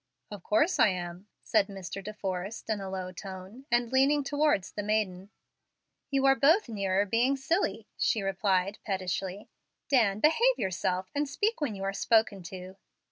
"Of course I am," said Mr. De Forrest in a low tone, and leaning towards the maiden. "You are both nearer being silly," she replied, pettishly. "Dan, behave yourself, and speak when you are spoken to."